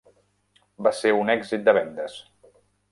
Va ser un èxit de vendes.